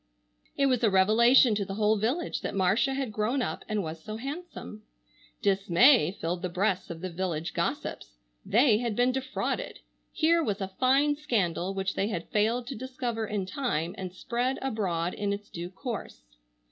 It was a revelation to the whole village that Marcia had grown up and was so handsome. Dismay filled the breasts of the village gossips. They had been defrauded. Here was a fine scandal which they had failed to discover in time and spread abroad in its due course.